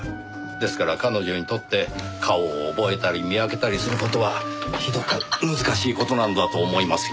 ですから彼女にとって顔を覚えたり見分けたりする事はひどく難しい事なんだと思いますよ。